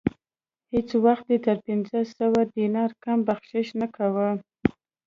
هیڅ وخت یې تر پنځه سوه دیناره کم بخشش نه کاوه.